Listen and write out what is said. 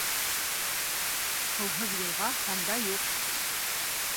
Һыуһыҙ йылға һанда юҡ.